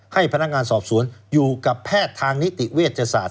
ให้พนักงานสอบสวนอยู่กับแพทย์ทางนิติเวชศาสต